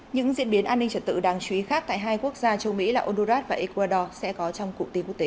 những diễn biến an ninh trật tự đáng chú ý khác tại hai quốc gia châu mỹ là honduras và ecuador sẽ có trong cụ tin quốc tế